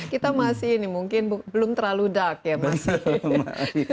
kita masih ini mungkin belum terlalu dark ya masih